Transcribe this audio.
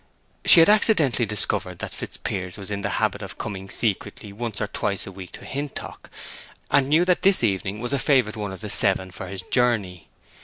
She had accidentally discovered that Fitzpiers was in the habit of coming secretly once or twice a week to Hintock, and knew that this evening was a favorite one of the seven for his journey.